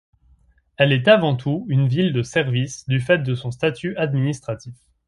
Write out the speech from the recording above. Elle est avant tout une ville de services, du fait de son statut administratif.